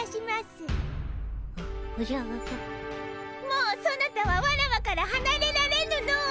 もうそなたはワラワからはなれられぬのう。